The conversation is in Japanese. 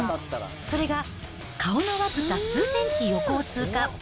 それが顔の僅か数センチ横を通過。